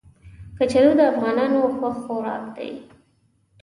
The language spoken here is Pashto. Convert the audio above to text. کچالو د افغانانو خوښ خوراک دی